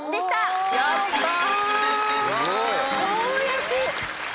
やったー！